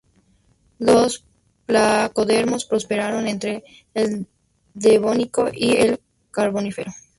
Los placodermos prosperaron entre el Devónico y el Carbonífero.